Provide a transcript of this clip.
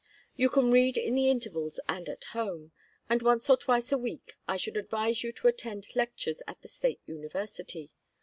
You can read in the intervals and at home, and once or twice a week I should advise you to attend lectures at the State University.